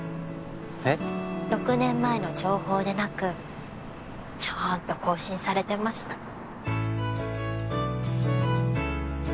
６年前の情報でなくちゃんと更新されてました。